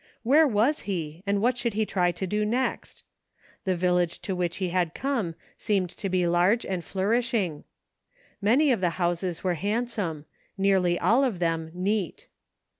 Where was he, and what should he try SOME HALF WAY THINKING. 6l to do next ? The village to which he had come seemed to be large and flourishing ; many of the houses were handsome ; nearly all of them neat.